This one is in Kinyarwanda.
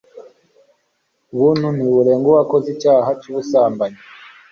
buntu ntibureba uwakoze icyaha cy'ubusambanyi